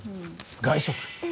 外食。